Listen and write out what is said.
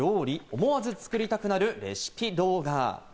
思わず作りたくなるレシピ動画。